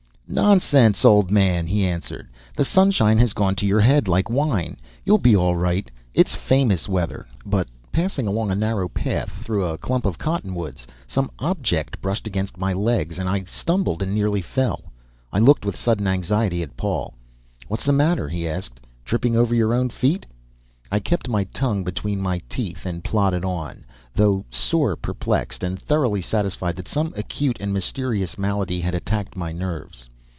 "Nonsense, old man," he answered. "The sunshine has gone to your head like wine. You'll be all right. It's famous weather." But, passing along a narrow path through a clump of cottonwoods, some object brushed against my legs and I stumbled and nearly fell. I looked with sudden anxiety at Paul. "What's the matter?" he asked. "Tripping over your own feet?" I kept my tongue between my teeth and plodded on, though sore perplexed and thoroughly satisfied that some acute and mysterious malady had attacked my nerves.